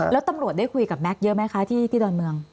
แล้วตำรวจได้คุยกับแม็กซ์เยอะไหมคะที่ดอนเมือง